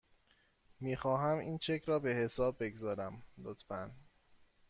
میخواهم این چک را به حساب بگذارم، لطفاً.